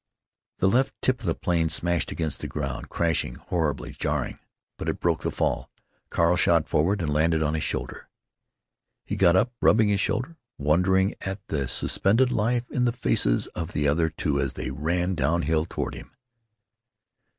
The left tip of the plane smashed against the ground, crashing, horribly jarring. But it broke the fall. Carl shot forward and landed on his shoulder. He got up, rubbing his shoulder, wondering at the suspended life in the faces of the other two as they ran down hill toward him.